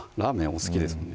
お好きですもんね